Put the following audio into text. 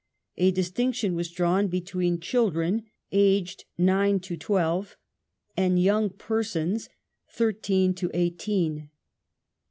A distinction was drawn between " children " aged nine to twelve, and young pei*sons" (thirteen to eighteen).